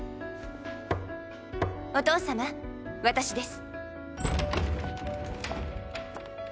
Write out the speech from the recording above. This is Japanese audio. お父さま私です。